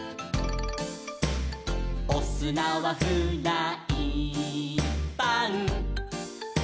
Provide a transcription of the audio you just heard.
「おすなはフライパン」